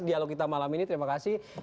dialog kita malam ini terima kasih